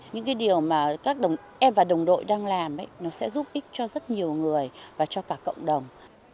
những cái điều mà các em và đồng đội đang làm nó sẽ giúp ích cho rất nhiều người và cho cả cộng đồng